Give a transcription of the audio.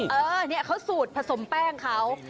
เออเนี่ยเขาสูตรผสมแป้งเขา